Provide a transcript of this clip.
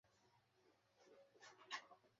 কোন কষ্ট নেই!